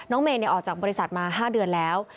น้องเมย์เนี่ยออกจากบริษัทมา๕เดือนแล้ว